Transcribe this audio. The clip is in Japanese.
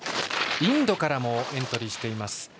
インドからもエントリーしています。